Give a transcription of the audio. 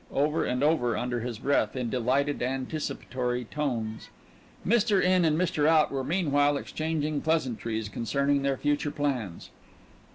over and over under his breath, in delighted, anticipatory tones. Mr. In and Mr. Out were meanwhile exchanging pleasantries concerning their future plans.